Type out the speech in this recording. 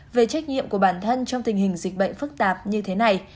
về trách nhiệm của bản thân trong tình hình dịch bệnh phức tạp như thế này